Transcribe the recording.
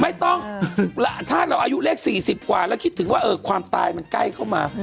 ไม่ต้องถ้าเราอายุเลข๔๐กว่าแล้วคิดถึงว่าความตายมันใกล้เข้ามา